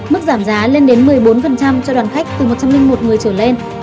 mức giảm giá lên đến một mươi bốn cho đoàn khách từ một trăm linh một người trở lên